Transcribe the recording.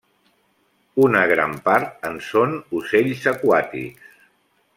Una gran part en són ocells aquàtics.